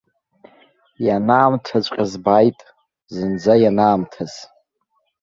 Ианаамҭаҵәҟьаз бааит, зынӡа ианаамҭаз.